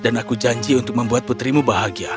dan aku janji untuk membuat putrimu bahagia